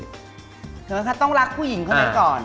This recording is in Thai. คือว่าต้องรักผู้หญิงคนนั้นก่อน